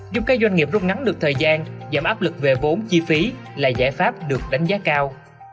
giúp các doanh nghiệp rút ngắn được thời gian giảm áp lực về vốn chi phí là giải pháp được đánh giá cao